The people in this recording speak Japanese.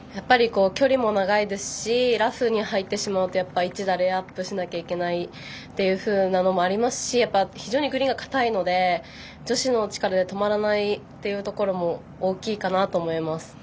距離も長いですしラフに入ってしまうと１打レイアップしなければいけないというのもありますし非常にグリーンが硬いので女子の力では止まらないというところも大きいかなと思います。